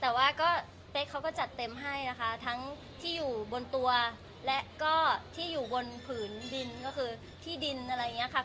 แต่ว่าก็เป๊กเขาก็จัดเต็มให้นะคะทั้งที่อยู่บนตัวและก็ที่อยู่บนผืนดินก็คือที่ดินอะไรอย่างนี้ค่ะ